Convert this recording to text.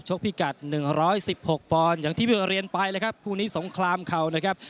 ชกพี่กัด๑๑๖ปองที่บิ้กกับเรียนไปคู่นี้สงครามเขานะครับ